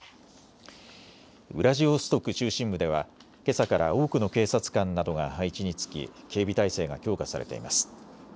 ウラジオストク中心部ではけさから多くの警察官などが配置につき警備態勢が強化されています。